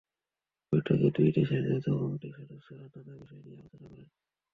বৈঠকে দুই দেশের যৌথ কমিটির সদস্যরা নানা বিষয় নিয়ে আলোচনা করেন।